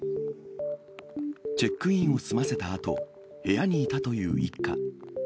チェックインを済ませたあと、部屋にいたという一家。